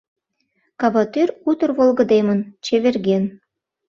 Каватӱр утыр волгыдемын, чеверген.